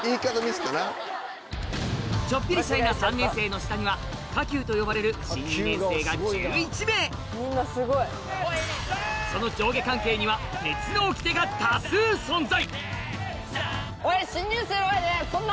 ちょっぴりシャイな３年生の下には下級と呼ばれる新２年生が１１名その上下関係には鉄の掟が多数存在